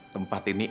tempat ini enak